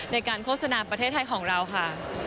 โฆษณาประเทศไทยของเราค่ะ